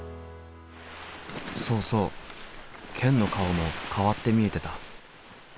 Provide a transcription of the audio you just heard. そうそうケンの顔も変わって見えてた。